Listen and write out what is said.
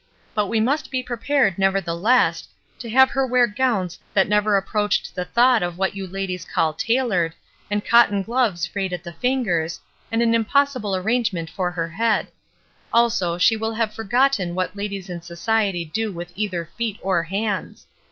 But we must be prepared nevertheless to have her wear gowns that never approached the thought of what you ladies call 'tailored,' and cotton gloves frayed at the fingers, and an impossible arrangement for her head; also, she will have forgotten what ladies in society do with either feet or hands.